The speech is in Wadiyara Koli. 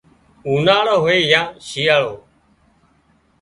اُوناۯو هوئي يا شيئاۯو